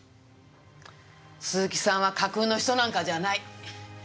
鈴木さんは架空の人なんかじゃない。